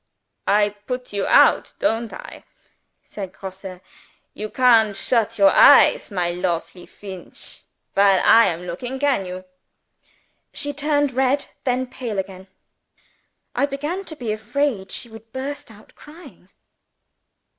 "I put you out don't I?" said Grosse. "You can't shut your eyes, my lofely Feench, while I am looking can you?" She turned red then pale again. I began to be afraid she would burst out crying.